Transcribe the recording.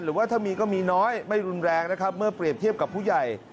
หรือว่าถ้ามีก็มีน้อยไม่รุนแรงนะครับเมื่อเปรียบเทียบกับผู้ใหญ่